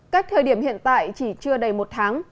cách thời điểm hiện tại chỉ chưa đầy một tháng